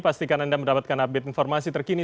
pastikan anda mendapatkan update informasi terkini